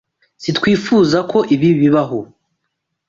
Sitwifuzagako ibi bibaho.